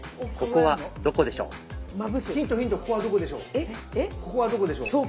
ここはどこでしょう？